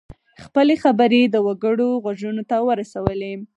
خپلې خبرې د وګړو غوږونو ته ورسولې.